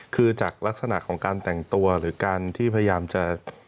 คือจากลักษณะของการแต่งตัวหรือการที่พยายามจะ